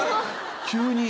急に。